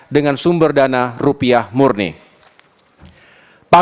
dengan sumber dana rupiah murni